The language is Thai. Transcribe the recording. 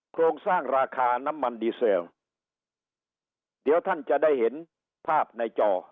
โครงสร้างราคาน้ำมันดีเซลเดี๋ยวท่านจะได้เห็นภาพในจอ